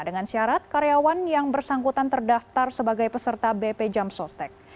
dengan syarat karyawan yang bersangkutan terdaftar sebagai peserta bp jam sostek